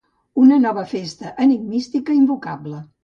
Una nova festa enigmística invocable.